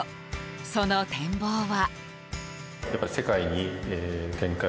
その展望は。